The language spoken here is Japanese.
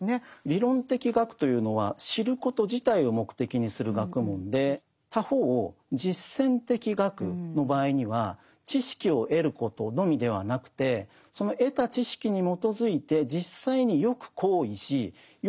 理論的学というのは知ること自体を目的にする学問で他方実践的学の場合には知識を得ることのみではなくてこれが実践的学です。